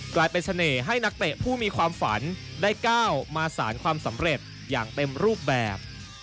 กลายเป็นเสน่ห์ให้นักเตะผู้มีความฝันได้ก้าวมาสารความสำเร็จอย่างเต็มรูปแบบ